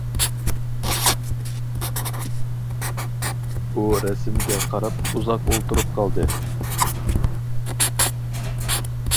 ئۇ رەسىمگە قاراپ ئۇزاق ئولتۇرۇپ قالدى.